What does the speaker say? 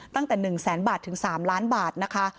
ตั้งแต่๑๐๐๐๐๐บาทถึง๓๐๐๐๐๐๐บาทนะคะ